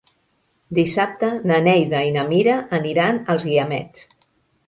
Dissabte na Neida i na Mira aniran als Guiamets.